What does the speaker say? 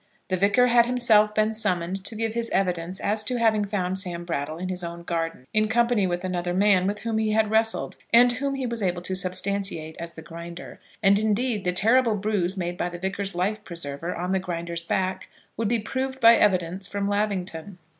The Vicar had himself been summoned to give his evidence as to having found Sam Brattle in his own garden, in company with another man with whom he had wrestled, and whom he was able to substantiate as the Grinder; and, indeed, the terrible bruise made by the Vicar's life preserver on the Grinder's back, would be proved by evidence from Lavington.